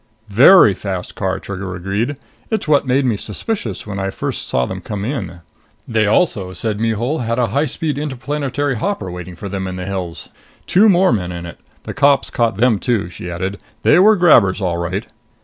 "Very fast car," Trigger agreed. "It's what made me suspicious when I first saw them come in." "They also," said Mihul, "had a high speed interplanetary hopper waiting for them in the hills. Two more men in it. The cops caught them, too." She added, "They were grabbers, all right!"